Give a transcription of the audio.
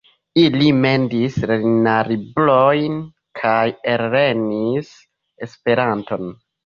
Ili mendis lernolibrojn kaj ellernis Esperanton.